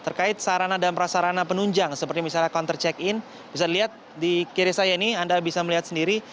terkait sarana dan prasarana penunjang seperti misalnya counter check in bisa dilihat di kiri saya ini anda bisa melihat sendiri